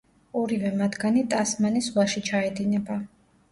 ორივე მათგანი ტასმანის ზღვაში ჩაედინება.